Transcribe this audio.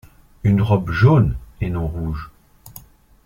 Une robe jaune et non rouge.